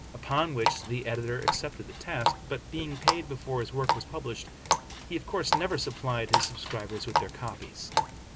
Upon which the editor accepted the task, but being paid before his work was published, he of course never supplied his subscribers with their copies.